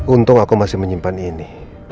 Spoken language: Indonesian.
untung aku masih menyimpan ini